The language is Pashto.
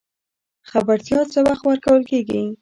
خبرتیا څه وخت ورکول کیږي؟